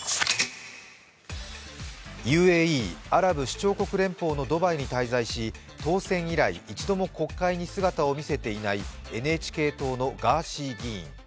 ＵＡＥ＝アラブ首長国連邦のドバイに滞在し当選以来、一度も国会に姿を見せていないＮＨＫ党のガーシー議員。